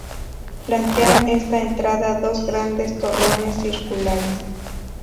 Flanquean esta entrada dos grandes torreones circulares.